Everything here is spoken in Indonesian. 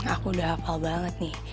aku udah hafal banget nih